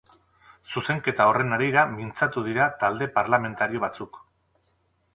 Zuzenketa horren harira mintzatu dira talde parlamentario batzuk.